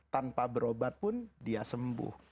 tanpa berobat pun dia sembuh